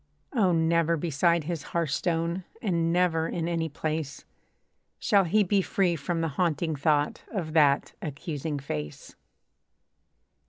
Oh! never beside his hearthstone, And never in any place, Shall he be free from the haunting thought Of that accusing face.